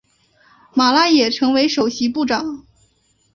马拉也成为首席部长。